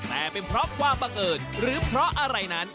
แต่เป็นเพราะความบังเอิญหรือเพราะอะไรนั้น